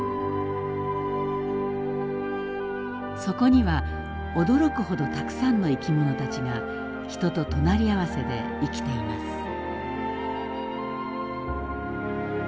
そこには驚くほどたくさんの生き物たちが人と隣り合わせで生きています。